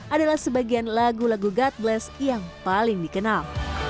adalah sebagian lagu lagu god bless yang paling dikenal